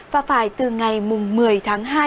và phải từ ngày một mươi tháng hai